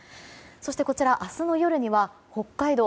そしてこちら明日の夜には北海道